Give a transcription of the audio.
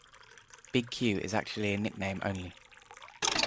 Big Q is actually a nickname only.